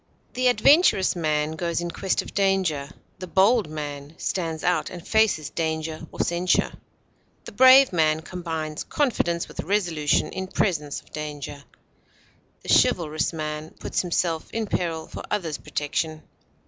The adventurous man goes in quest of danger; the bold man stands out and faces danger or censure; the brave man combines confidence with resolution in presence of danger; the chivalrous man puts himself in peril for others' protection.